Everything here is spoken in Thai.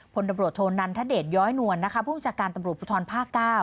คนตะโอดโทนนันทะเดชย้อยนวลนะคะพุฒิจักรการตำรวจพลทภาค๙